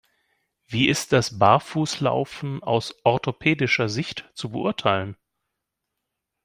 Wie ist das Barfußlaufen aus orthopädischer Sicht zu beurteilen?